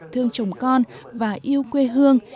thương chồng con và yêu quê hương